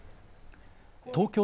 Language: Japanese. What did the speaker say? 東京